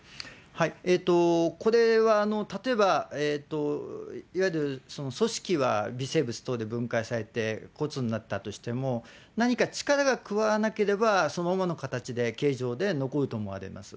これは例えば、いわゆる組織は微生物等で分解されて骨になったとしても、何か力が加わらなければ、そのままの形で、形状で残ると思われます。